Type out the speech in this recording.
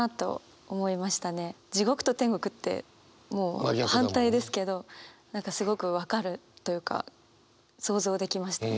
「地獄」と「天国」ってもう反対ですけど何かすごく分かるというか想像できました。